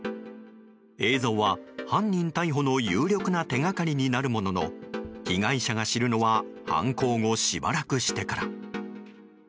映像は犯人逮捕の有力な手掛かりになるものの被害者が知るのは犯行後しばらくしてから。